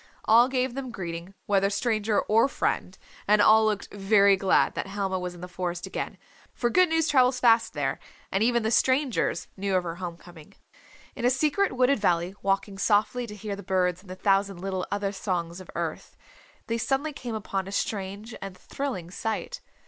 All gave them greeting, whether stranger or friend, and all looked very glad that Helma was in the forest again, for good news travels fast there, and even the strangers knew of her home coming. In a secret wooded valley, walking softly to hear the birds and the thousand little other songs of earth, they suddenly came upon a strange and thrilling sight.